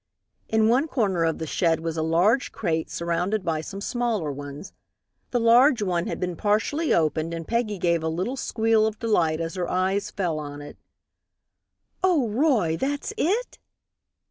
In one corner of the shed was a large crate surrounded by some smaller ones. The large one had been partially opened and Peggy gave a little squeal of delight as her eyes fell on it. "Oh, Roy, that's it?"